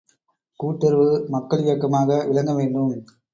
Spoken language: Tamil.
கூட்டுறவு, மக்கள் இயக்கமாக விளங்க வேண்டும்.